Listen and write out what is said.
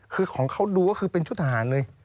คือของเขาดูก็คือเป็นชุดทหารเลย